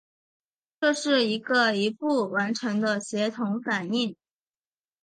这是一个一步完成的协同反应。